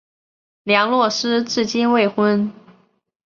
梁洛施至今未婚。